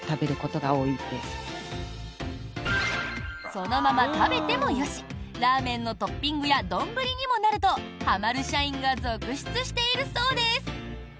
そのまま食べてもよしラーメンのトッピングや丼にもなるとはまる社員が続出しているそうです。